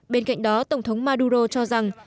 bên cạnh đó tổng thống maduro cho rằng